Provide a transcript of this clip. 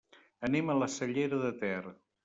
Anem a la Cellera de Ter.